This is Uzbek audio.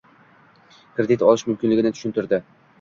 Kredit olish mumkinligini tushuntirdi.